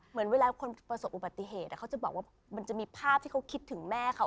เหมือนเวลาคนประสบอุบัติเหตุเขาจะบอกว่ามันจะมีภาพที่เขาคิดถึงแม่เขา